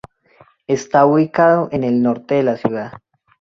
Está ubicado en el norte de la ciudad.